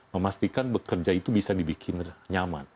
memastikan bekerja itu bisa dibikin nyaman